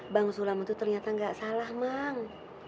bang sulam itu ternyata gak salah mang